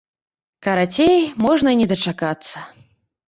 Карацей, можна і не дачакацца.